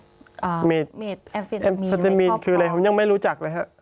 และเม็ดแอมเฟนตามีคืออะไรผมยังไม่รู้จักเลยค่ะ